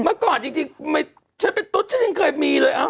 เมื่อก่อนจริงฉันเป็นตุ๊ดฉันยังเคยมีเลย